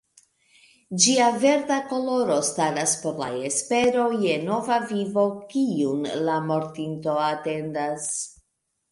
Ĝia verda koloro staras por la espero je nova vivo kiun la mortinto atendas.